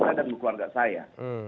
saya dan keluarga saya